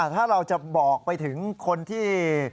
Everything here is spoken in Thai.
ถ้าเราจะบอกไปถึงคนที่